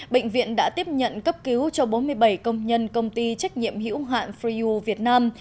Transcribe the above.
bệnh viện đã tiếp nhận cấp cứu cho bốn mươi bảy công nhân công ty trách nhiệm hữu hạn freyu việt nam